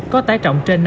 có tài trọng trên năm tầng